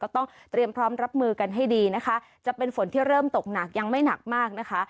ต้องเตรียมพร้อมรับมือกันให้ดีนะคะจะเป็นฝนที่เริ่มตกหนักยังไม่หนักมากนะคะ